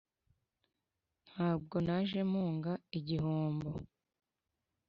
ntabwo naje mpunga igihombo,